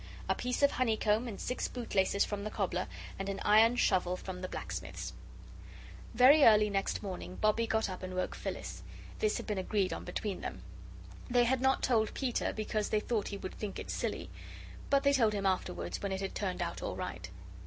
A piece of honeycomb and six bootlaces from the cobbler, and an iron shovel from the blacksmith's. Very early next morning Bobbie got up and woke Phyllis. This had been agreed on between them. They had not told Peter because they thought he would think it silly. But they told him afterwards, when it had turned out all right.